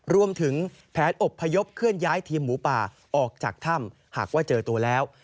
รวมถึงแผนอบพยพเคลื่อนย้ายทีมหมูป่าออกจากถ้ำหากว่าเจอตัวแล้ว